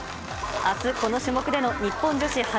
あす、この種目での日本女子